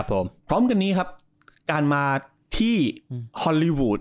ผมพร้อมกันนี้ครับการมาที่ฮอนลีวูด